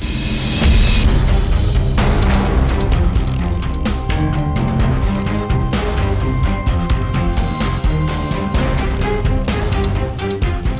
tante andis atau tante papa